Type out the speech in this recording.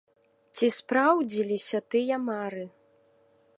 Ці спраўдзіліся тыя мары?